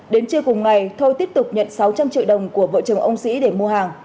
đến trưa cùng ngày thôi tiếp tục nhận sáu trăm linh triệu đồng của vợ chồng ông sĩ để mua hàng